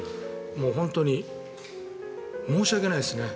本当に申し訳ないですね。